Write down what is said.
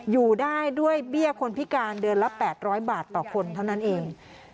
อยู่ได้ด้วยเบี้ยคนพิการเดือนละ๘๐๐บาทต่อคนเท่านั้นเอง